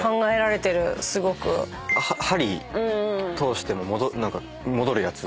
針通しても戻るやつ。